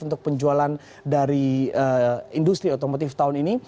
untuk penjualan dari industri otomotif tahun ini